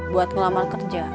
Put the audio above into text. buat ngelamar kerja